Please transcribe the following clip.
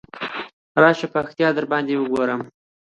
راشی چی پکتيا درباندې وګورم.